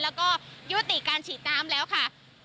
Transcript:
แล้วก็ยุติการฉีดน้ำแล้วค่ะ